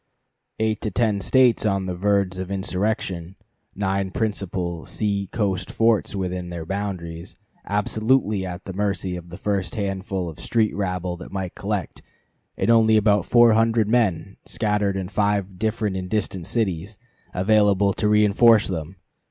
Eight to ten States on the verge of insurrection nine principal sea coast forts within their borders, absolutely at the mercy of the first handful of street rabble that might collect, and only about four hundred men, scattered in five different and distant cities, available to reënforce them!